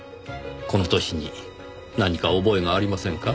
この年に何か覚えがありませんか？